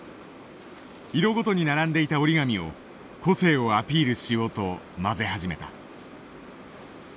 色ごとに並んでいた折り紙を個性をアピールしようと交ぜ始めた。